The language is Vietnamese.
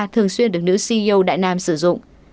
thường xuyên được nữ ceo đại nam sử dụng